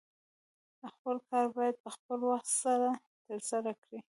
خپل کار باید په خپل وخت سره ترسره کړې